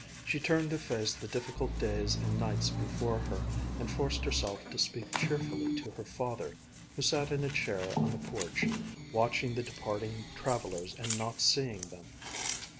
She turned to face the difficult days and nights before her and forced herself to speak cheerfully to her father, who sat in a chair on the porch, watching the departing travelers and not seeing them.